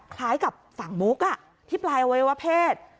คล้ายกับฝั่งมุกที่ปลายอวัยวะเพศ